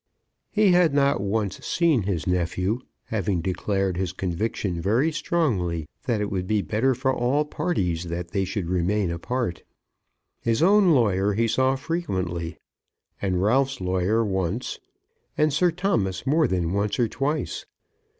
He had not once seen his nephew, having declared his conviction very strongly that it would be better for all parties that they should remain apart. His own lawyer he saw frequently, and Ralph's lawyer once, and Sir Thomas more than once or twice.